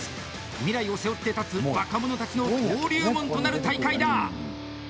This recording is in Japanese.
未来を背負って立つ若者たちの登竜門となる大会だ！